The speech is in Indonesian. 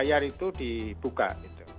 kayar itu dibuka gitu